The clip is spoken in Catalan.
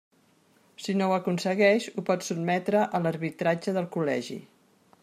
Si no ho aconsegueix, ho pot sotmetre a l'arbitratge del Col·legi.